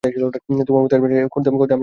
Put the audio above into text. তোমার মতো অ্যাডভেঞ্চার করতে আমরা এখানে এসেছি।